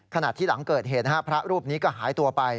ขณะที่หลังเกิดเหตุพระรูปนี้ก็หายตัวไป